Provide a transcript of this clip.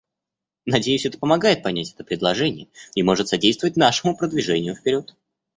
Надеюсь, это помогает понять это предложение и может содействовать нашему продвижению вперед.